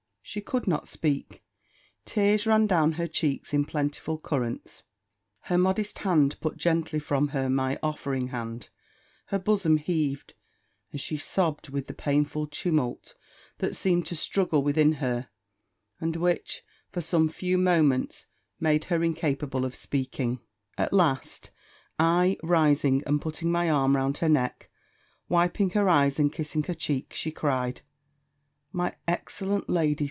She could not speak; tears ran down her cheeks in plentiful currents: her modest hand put gently from her my offering hand, her bosom heav'd, and she sobb'd with the painful tumult that seemed to struggle within her, and which, for some few moments, made her incapable of speaking. At last, I rising, and putting my arm round her neck, wiping her eyes, and kissing her cheek, she cried, "My excellent lady!